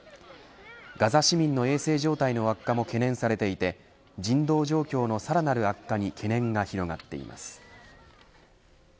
ガザ市民の衛生状態の悪化も懸念されていて人道状況のさらなる悪化に懸念が広がっています。